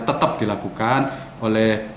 tetap dilakukan oleh